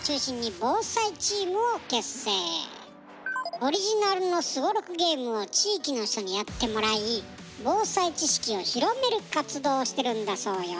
オリジナルのすごろくゲームを地域の人にやってもらい防災知識を広める活動をしてるんだそうよ。